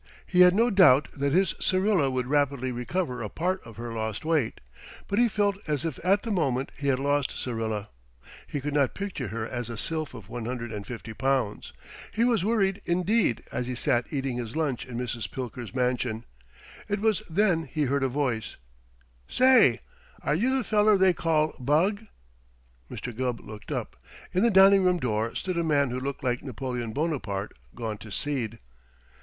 He had no doubt that his Syrilla would rapidly recover a part of her lost weight, but he felt as if at the moment he had lost Syrilla. He could not picture her as a sylph of one hundred and fifty pounds. He was worried, indeed, as he sat eating his lunch in Mrs. Pilker's mansion. It was then he heard a voice: "Say, are you the feller they call Bugg?" Mr. Gubb looked up. In the dining room door stood a man who looked like Napoleon Bonaparte gone to seed.